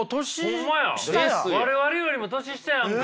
ホンマや我々よりも年下やんか。